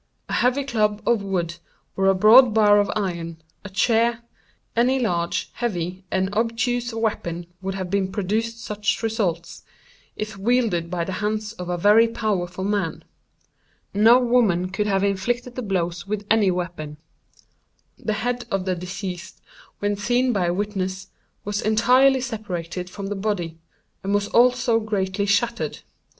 A heavy club of wood, or a broad bar of iron—a chair—any large, heavy, and obtuse weapon would have produced such results, if wielded by the hands of a very powerful man. No woman could have inflicted the blows with any weapon. The head of the deceased, when seen by witness, was entirely separated from the body, and was also greatly shattered.